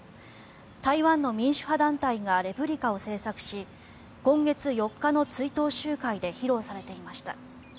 台湾の民主派団体がレプリカを製作し今月４日の追悼集会で披露されていました。